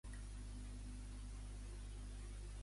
I a l'Assamblea Nacional Catalana?